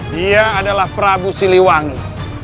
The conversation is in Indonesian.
dia adalah prabu siliwangi